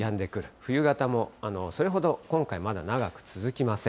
冬型もそれほど今回、まだ長く続きません。